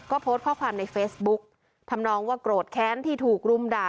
ก็โพสต์ข้อความในเฟซบุ๊กทำนองว่าโกรธแค้นที่ถูกรุมด่า